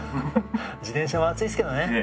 自転車も熱いっすけどね。